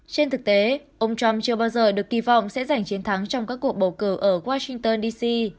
trên thực tế ông trump chưa bao giờ được kỳ vọng sẽ giành chiến thắng trong các cuộc bầu cử ở washington d c